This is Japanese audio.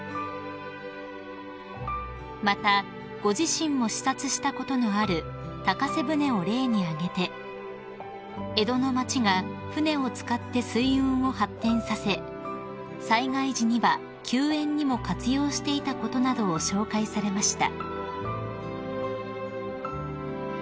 ［またご自身も視察したことのある高瀬舟を例に挙げて江戸の町が船を使って水運を発展させ災害時には救援にも活用していたことなどを紹介されました］